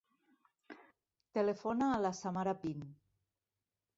Telefona a la Samara Pin.